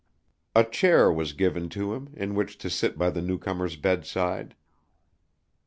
A chair was given to him, in which to sit by the newcomer's bedside.